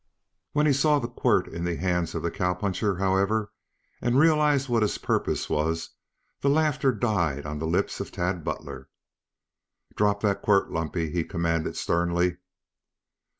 When he saw the quirt in the hands of the cowpuncher, however, and realized what his purpose was, the laughter died on the lips of Tad Butler. "Drop that quirt, Lumpy!" he commanded sternly.